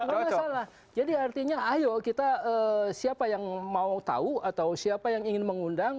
nggak ada masalah jadi artinya ayo kita siapa yang mau tahu atau siapa yang ingin mengundang